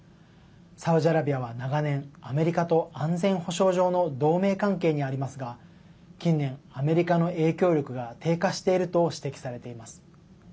サウジアラビアは、長年アメリカと安全保障上の同盟関係にありますが近年、アメリカの影響力が低下していると指摘されています。